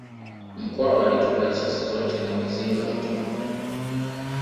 Mkwawa alitupa risasi zote na mizinga mtoni